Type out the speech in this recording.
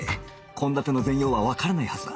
献立の全容はわからないはずだ